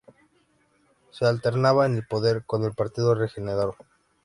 Se alternaba en el poder con el Partido Regenerador.